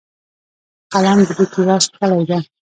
قلم د لیک لوست کلۍ ده